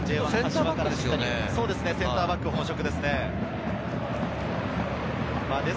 センターバックが本職です。